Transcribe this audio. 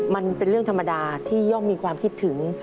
มันเป็นเรื่องธรรมดาที่ย่อมมีความคิดถึง